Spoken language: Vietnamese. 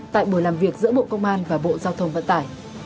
tại buổi làm việc giữa bộ công an và bộ giao thông vận tải